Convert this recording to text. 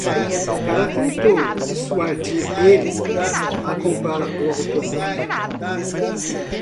Ela tentou dissuadir ele a comprar o automóvel.